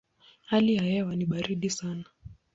Hali ya hewa ni baridi sana.